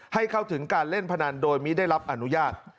ให้เข้าถึงการเล่นพนันโดยไม่ได้รับอนุญาต